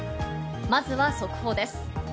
まずは速報です。